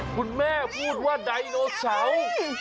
คุณแม่พูดว่าไดโนเสาร์